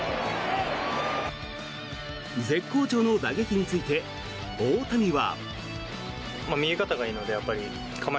絶好調の打撃について大谷は。